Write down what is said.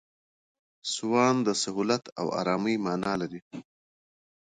سوان د سهولت او آرامۍ مانا لري.